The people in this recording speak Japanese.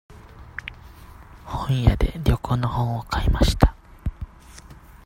本屋で旅行の本を買いました。